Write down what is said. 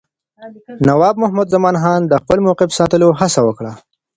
نواب محمد زمانخان د خپل موقف ساتلو هڅه وکړه.